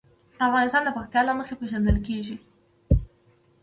افغانستان د پکتیا له مخې پېژندل کېږي.